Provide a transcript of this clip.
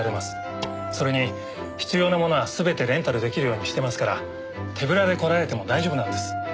それに必要な物は全てレンタルできるようにしてますから手ぶらで来られても大丈夫なんです。